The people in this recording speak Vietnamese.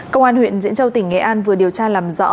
công an huyện diễn châu tỉnh nghệ an vừa điều tra làm rõ